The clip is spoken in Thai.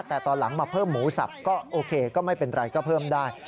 แต่ตอนหลังมาเพิ่มหมูสับก็โอเคก็ไม่เป็นไรก็เพิ่มได้